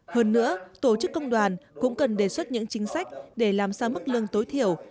hơn nữa tổ chức công đoàn cũng cần đề xuất những chính sách để làm sao mức lương tối thiểu